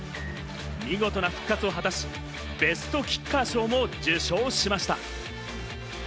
見事な復活を果たし、ベストキッカー賞も受賞しました。